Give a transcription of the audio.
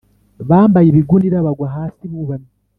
bambaye ibigunira bagwa hasi bubamye